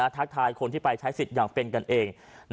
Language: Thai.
ทักทายคนที่ไปใช้สิทธิ์อย่างเป็นกันเอง